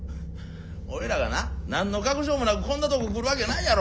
俺らがな何の確証もなくこんなとこ来るわけないやろ！